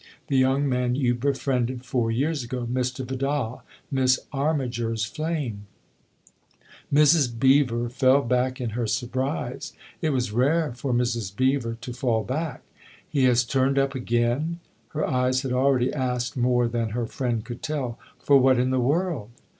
The young man you befriended four years ago Mr. Vidal, Miss Armiger's flame !" Mrs. Beever fell back in her surprise ; it was rare for Mrs. Beever to fall back. " He has turned up again ?" Her eyes had already asked more than her friend could tell. " For what in the world